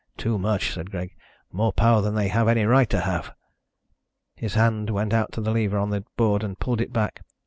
"Too much," said Greg. "More power than they have any right to have." His hand went out to the lever on the board and pulled it back.